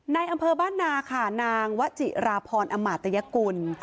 ในอำเภอบ้านนาค่ะนางวจิราพรอำมาตยกุล